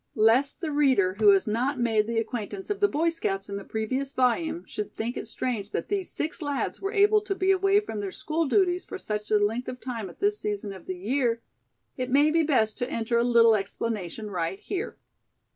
Lest the reader who has not made the acquaintance of the Boy Scouts in the previous volume, should think it strange that these six lads were able to be away from their school duties for such a length of time at this season of the year, it may be best to enter a little explanation right here.